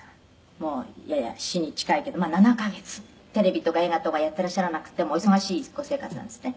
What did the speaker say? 「もうやや４に近いけどまあ７カ月」「テレビとか映画とかやってらっしゃらなくてもお忙しいご生活なんですって？」